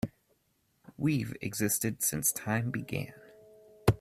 We've existed since time began.